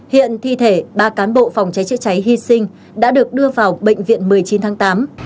hiện thi thể ba cán bộ phòng cháy chữa cháy hy sinh đã được đưa vào bệnh viện một mươi chín tháng tám